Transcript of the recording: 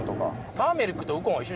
ターメリックとウコンは一緒